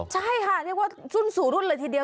ใช่ค่ะเรียกว่ารุ่นสู่รุ่นเลยทีเดียว